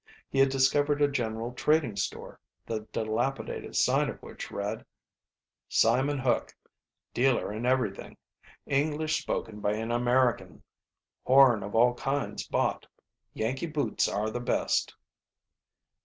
He had discovered a general trading store, the dilapidated sign of which read: SIMON HOOK, Dealer in Everything. English Spoken by an American. Horn of All Kinds Bought. Yankee Boots Are the Best!